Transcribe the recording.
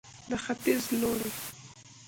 د ختیځ لوڼې